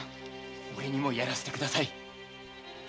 おれにもやらせてください。